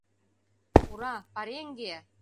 — Ура-а, паре-е-еҥге-е!